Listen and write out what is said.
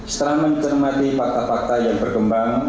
setelah mencermati fakta fakta yang berkembang